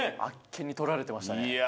あっけにとられてましたね。